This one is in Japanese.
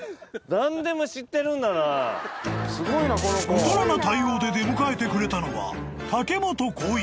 ［大人な対応で出迎えてくれたのは］